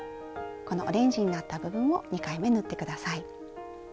このオレンジになった部分を２回目縫って下さい。